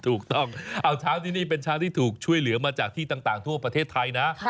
ถูกต้องเอาช้างที่นี่เป็นช้างที่ถูกช่วยเหลือมาจากที่ต่างทั่วประเทศไทยนะ